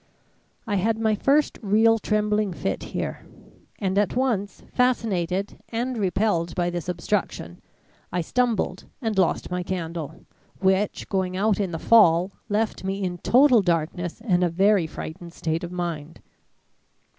I had my first real trembling fit here, and at once fascinated and repelled by this obstruction I stumbled and lost my candle, which, going out in the fall, left me in total darkness and a very frightened state of mind.